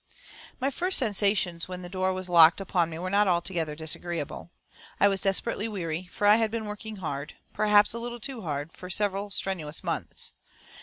My first sensations when the door was locked upon me were not altogether disagreeable. I was desperately weary, for I had been working hard, perhaps a little too hard, for several strenuous months.